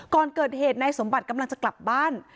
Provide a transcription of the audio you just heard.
ก่อนเกิดเหตุนายสมบัติกำลังจะกลับบ้าน